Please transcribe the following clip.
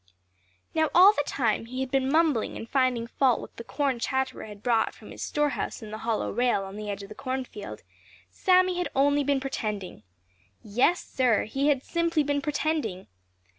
Now all the time he had been mumbling and finding fault with the corn Chatterer had brought from his storehouse in the hollow rail on the edge of the cornfield Sammy had only been pretending. Yes, Sir, he had simply been pretending.